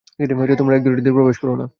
তোমরা এক দরজা দিয়ে প্রবেশ করো না।